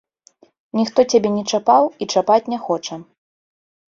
Ніхто цябе не чапаў і чапаць не хоча.